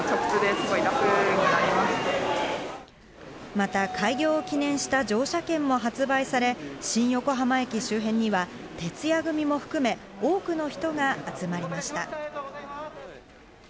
また、開業を記念した乗車券も発売され、新横浜駅周辺には徹夜組も含め、多くの人が集まりました。